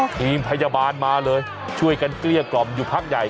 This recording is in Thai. ทีมพยาบาลมาเลยช่วยกันเกลี้ยกล่อมอยู่พักใหญ่